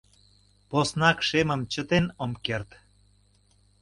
Поснак шемым чытен ом керт.